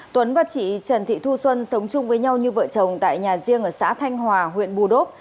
tuấn và chị trần thị thu xuân sống chung với nhau như vợ chồng tại nhà riêng ở xã thanh hòa huyện bù đốp